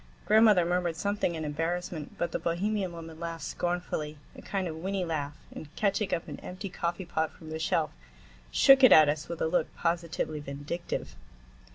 Grandmother murmured something in embarrassment, but the Bohemian woman laughed scornfully, a kind of whinny laugh, and catching up an empty coffee pot from the shelf, shook it at us with a look positively vindictive.